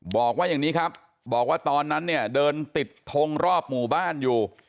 บอกว่าอย่างนี้ครับบอกว่าตอนนั้นเนี่ยเดินติดทงรอบหมู่บ้านอยู่